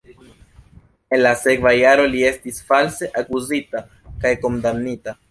En la sekva jaro li estis false akuzita kaj kondamnita.